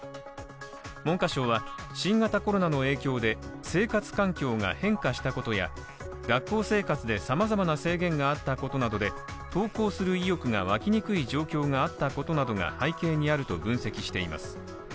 文科省は新型コロナの影響で生活環境が変化したことや学校生活でさまざまな制限があったことで投稿する意欲が湧きにくい状況があったことなどが背景にあると分析しています。